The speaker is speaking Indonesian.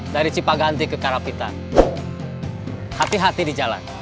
dari cipaganti ke karapitan hati hati di jalan